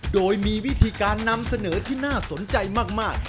โดยมีวิธีการนำเสนอที่น่าสนใจมาก